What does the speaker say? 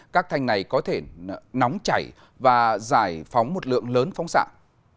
các thanh này có thể nóng chảy và giải phóng một lượng lớn phóng xạ